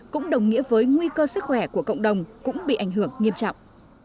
cũng đồng nghĩa với nguy cơ sức khỏe của cộng đồng cũng bị ảnh hưởng nghiêm trọng